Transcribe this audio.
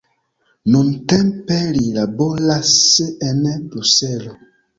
Nuntempe li laboras en Bruselo.